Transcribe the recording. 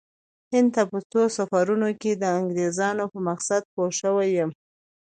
هند ته په څو سفرونو کې د انګریزانو په مقصد پوه شوی یم.